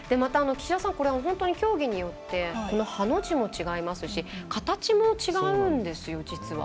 競技によってハの字も違いますし形も違うんですよ、実は。